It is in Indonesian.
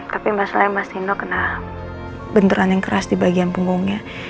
tapi masalahnya mas indo kena benturan yang keras di bagian punggungnya